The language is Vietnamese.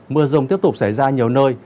mưa rông tiếp tục xảy ra nhiều nơi